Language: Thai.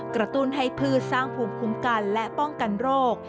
กระตุ้นให้พืชสร้างภูมิคุ้มกันและป้องกันโรค